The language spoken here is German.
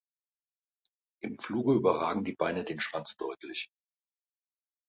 Im Fluge überragen die Beine den Schwanz deutlich.